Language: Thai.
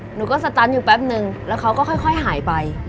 หนูก็สตันอยู่แป๊บนึงแล้วเขาก็ค่อยหายไป